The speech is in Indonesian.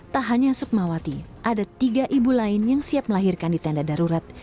tak hanya sukmawati ada tiga ibu lain yang siap melahirkan di tenda darurat